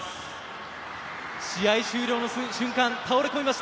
試合終了の瞬間、倒れ込みました。